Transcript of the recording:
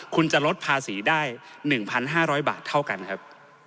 คุณจะลดภาษีได้๑๕๐๐บาทเท่ากันครับ